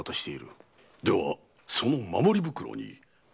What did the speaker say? ではその守り袋に！